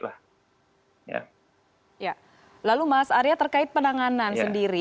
lalu mas area terkait penanganan sendiri